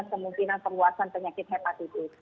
kemungkinan penguasan penyakit hepatitis